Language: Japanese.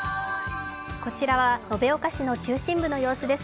こちらは延岡市の中心部の様子です。